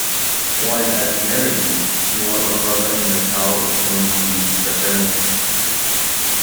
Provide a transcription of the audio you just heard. While at Maryland, he was a brother in the Tau Epsilon Phi Fraternity.